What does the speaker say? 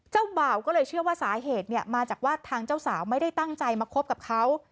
เจ้าบ่าวก็เลยเชื่อว่าสาเหตุมาจากว่าทางเจ้าสาวไม่ได้ตั้งใจมาคบกับเขา